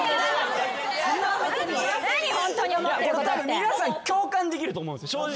皆さん共感できると思う正直。